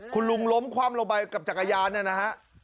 คุณลุงล้มคว่ำลงไปกับจักรยานเนี่ยนะฮะ